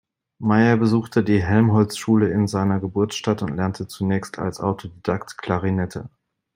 Mayer besuchte die Helmholtzschule in seiner Geburtsstadt und lernte zunächst als Autodidakt Klarinette.